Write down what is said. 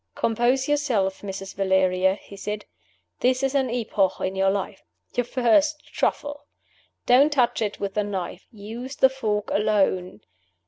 "Compose yourself, Mrs. Valeria," he said. "This is an epoch in your life. Your first Truffle! Don't touch it with the knife. Use the fork alone.